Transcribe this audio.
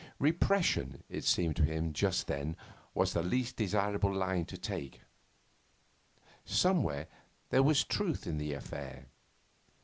Repression, it seemed to him just then, was the least desirable line to take. Somewhere there was truth in the affair.